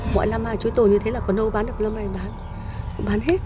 mỗi năm mà chuối tổ như thế là có nâu bán được lần này bán hết